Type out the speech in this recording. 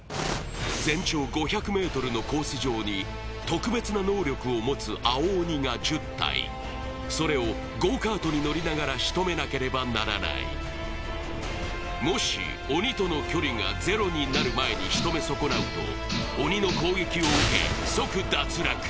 全長５００ｍのコース上に特別な能力を持つ青鬼が１０体それをゴーカートに乗りながらしとめなければならないもし鬼との距離がゼロになる前にしとめ損なうと鬼の攻撃を受け即脱落